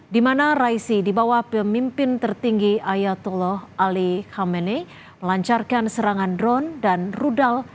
di mana raisi dibawah pemimpin tertinggi ayatollah ali khamenei melancarkan serangan drone dan rudal